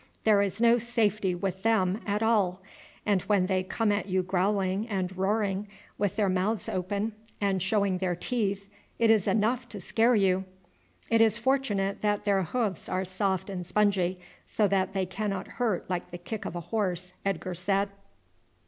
There is no safety with them at all; and when they come at you growling and roaring with their mouths open and showing their teeth it is enough to scare you." "It is fortunate that their hoofs are soft and spongy, so that they cannot hurt like the kick of a horse," Edgar said.